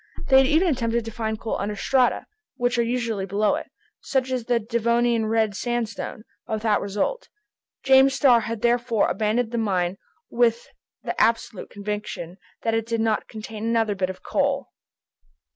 They had even attempted to find coal under strata which are usually below it, such as the Devonian red sandstone, but without result. James Starr had therefore abandoned the mine with the absolute conviction that it did not contain another bit of coal.